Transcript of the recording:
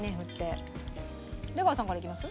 出川さんからいきます？